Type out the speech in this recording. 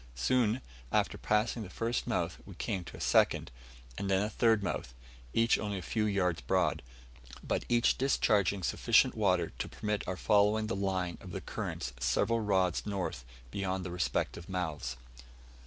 Soon after passing the first mouth we came to a second, and then a third mouth, each only a few yards broad, but each discharging sufficient water to permit our following the line of the currents several rods north beyond the respective mouths.